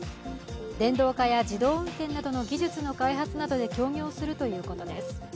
電動化や自動運転などの技術の開発などで協業するということです。